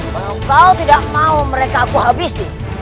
bahwa kau tidak mau mereka aku habisi